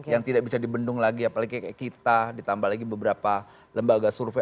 yang tidak bisa dibendung lagi apalagi kayak kita ditambah lagi beberapa lembaga survei